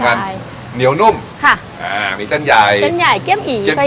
เหมือนกันใช่เนี่ยวนุ่มค่ะอ่ามีเส้นยายเส้นใหญ่เก้ยอย่าให้